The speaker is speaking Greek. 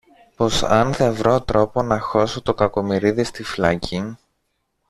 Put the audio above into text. πως αν δε βρω τρόπο να χώσω τον Κακομοιρίδη στη φυλακή